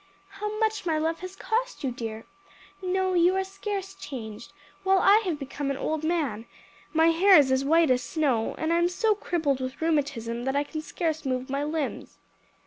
How much my love has cost you, dear! No, you are scarce changed, while I have become an old man my hair is as white as snow, and I am so crippled with rheumatism I can scarce move my limbs."